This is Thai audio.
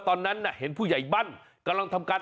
ตอนนั้นเห็นผู้ใหญ่บ้านกำลังทำการ